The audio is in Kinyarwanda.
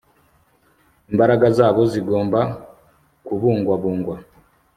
imbaraga zabo zigomba kubungwabungwa